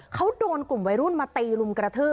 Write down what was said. เขาโดนกลุ่มวัยรุ่นมาตีรุมกระทืบ